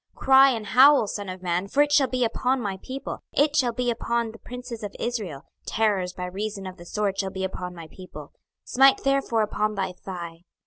26:021:012 Cry and howl, son of man: for it shall be upon my people, it shall be upon all the princes of Israel: terrors by reason of the sword shall be upon my people: smite therefore upon thy thigh.